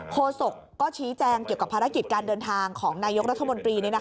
โศกก็ชี้แจงเกี่ยวกับภารกิจการเดินทางของนายกรัฐมนตรี